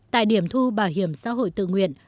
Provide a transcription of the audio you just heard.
tại điểm thu bảo hiểm xã hội tự nguyện